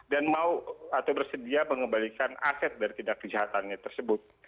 dan mau atau bersedia mengembalikan aset dari tidak kejahatannya tersebut